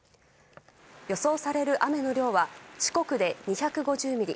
予想される雨の量は四国で２５０ミリ